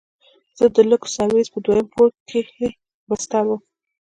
زه د لوکس سرويس په دويم پوړ کښې بستر وم.